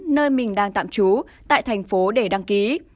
nơi mình đang tạm trú tại thành phố để đăng ký